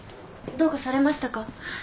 どうかされましたか？